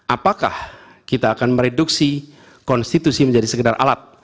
apakah kita akan mereduksi konstitusi menjadi sekedar alat